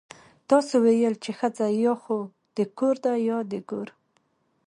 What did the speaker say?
تاسو ويل چې ښځه يا خو د کور ده يا د ګور.